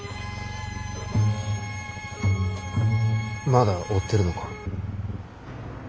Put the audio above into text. まだ追ってるのか？